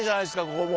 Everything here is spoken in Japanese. ここも。